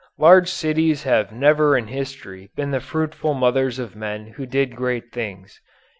Large cities have never in history been the fruitful mothers of men who did great things.